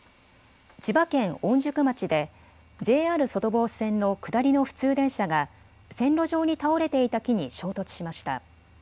千葉県御宿町でＪＲ外房線の下りの普通電車が線路上に倒れていた木に衝突しました。